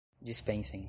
dispensem